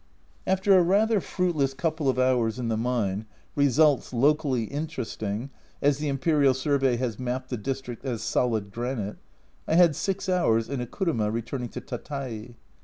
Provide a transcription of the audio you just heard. After a rather fruitless couple of hours in the mine (results locally interesting, as the Imperial Survey has mapped the district as solid granite) I had six hours in a kuruma returning to Tatai.